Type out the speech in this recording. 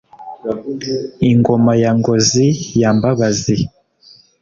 ingoma ya ngozi ya mbabazi,